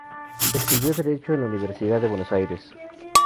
Estudió derecho en la Universidad de Buenos Aires.